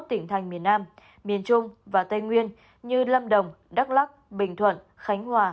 tại hai mươi một tỉnh thành miền nam miền trung và tây nguyên như lâm đồng đắk lắc bình thuận khánh hòa